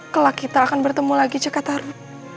kelak kita akan bertemu lagi cekataru